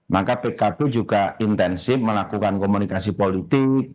maka pkb juga intensif melakukan komunikasi politik